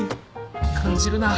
感じるな！